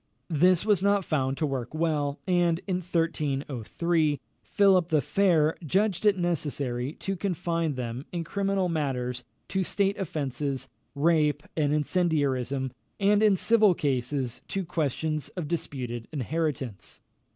This was not found to work well, and, in 1303, Philip the Fair judged it necessary to confine them, in criminal matters, to state offences, rape, and incendiarism; and in civil cases, to questions of disputed inheritance.